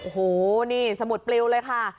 โอ้โหนี่สมุดปลิวเลยค่ะ